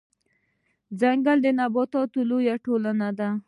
ځنګل د نباتاتو لويه ټولنه ده